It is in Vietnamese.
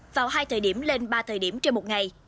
vào hai thời điểm lên ba thời điểm trên một ngày